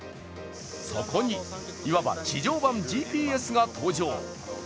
そこに、いわば地上版ＧＰＳが登場。